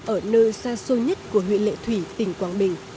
ở nơi xa xôi nhất của huyện lệ thủy tỉnh quảng bình